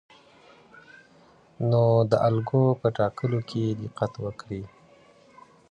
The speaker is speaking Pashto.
نو د الګو په ټاکلو کې دقت وکړئ.